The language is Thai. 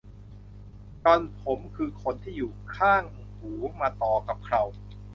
จอนผมคือขนที่อยู่ข้างหูมาต่อกับเครา